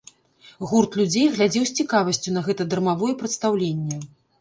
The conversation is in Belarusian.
Гурт людзей глядзеў з цікавасцю на гэта дармавое прадстаўленне.